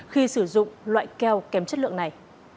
khi sử dụng loại keo kém chất lượng này